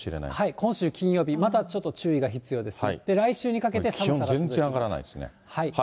今週金曜日、またちょっと注意が必要ですね。